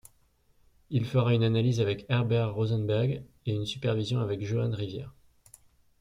Il fera une analyse avec Herbert Rosenberg et une supervision avec Joan Riviere.